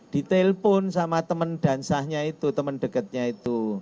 ditelpon sama teman dansanya itu teman dekatnya itu